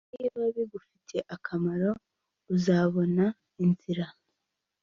niba bigufitiye akamaro, uzabona inzira.